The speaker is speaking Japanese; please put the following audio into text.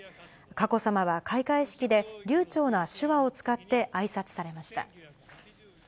佳子さまは、開会式で流ちょうな手話を使って、あいさつされました。